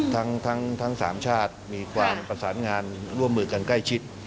ทั้ง๓ชาติมีความประสานงานร่วมมือกันใกล้ชิด